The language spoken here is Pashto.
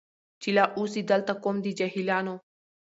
چي لا اوسي دلته قوم د جاهلانو